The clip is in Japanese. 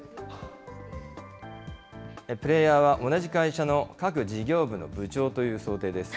プレーヤーは同じ会社の各事業部の部長という想定です。